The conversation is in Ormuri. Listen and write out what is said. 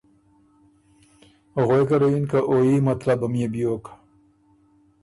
غوېکه له یِن که ”او يي مطلبه ميې بیوک“